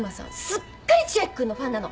すっかり千秋君のファンなの。